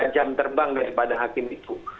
jam terbang daripada hakim itu